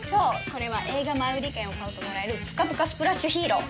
これは映画前売券を買うともらえるプカプカスプラッシュヒーロー。